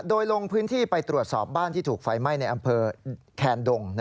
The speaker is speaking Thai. โดยลงพื้นที่ไปตรวจสอบบ้านที่ถูกไฟไหม้ในอำเภอแคนดง